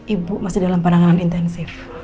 ibu masih dalam penanganan intensif